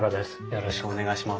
よろしくお願いします。